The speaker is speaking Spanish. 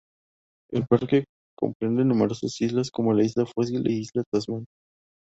El parque comprende numerosas islas, como isla Fósil e isla Tasman.